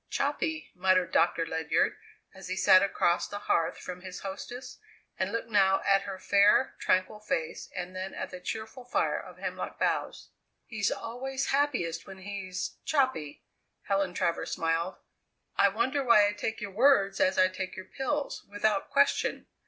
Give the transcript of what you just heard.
"Choppy," muttered Doctor Ledyard as he sat across the hearth from his hostess and looked now at her fair, tranquil face and then at the cheerful fire of hemlock boughs. "He's always happiest when he's choppy." Helen Travers smiled. "I wonder why I take your words as I take your pills, without question?"